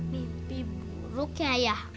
mimpi buruk ya ayah